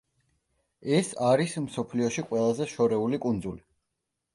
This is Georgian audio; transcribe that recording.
ეს არის მსოფლიოში ყველაზე შორეული კუნძული.